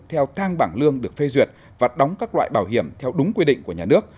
theo thang bảng lương được phê duyệt và đóng các loại bảo hiểm theo đúng quy định của nhà nước